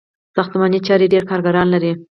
ساختماني چارې ډیر کارګران لري.